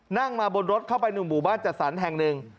นั่งมาบนรถเข้าไปหนุ่มหมู่บ้านจัดสรรแห่งหนึ่ง